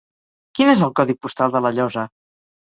Quin és el codi postal de La Llosa?